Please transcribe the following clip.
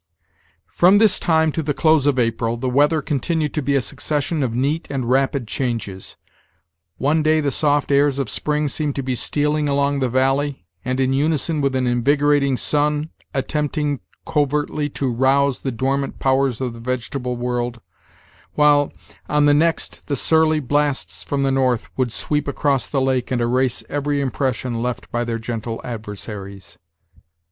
From this time to the close of April the weather continued to be a succession of neat and rapid changes. One day the soft airs of spring seemed to be stealing along the valley, and, in unison with an invigorating sun, attempting covertly to rouse the dormant powers of the vegetable world, while, on the next, the surly blasts from the north would sweep across the lake and erase every impression left by their gentle adversaries.